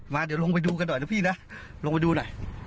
เดี๋ยวลงไปดูกันหน่อยนะพี่นะลงไปดูหน่อย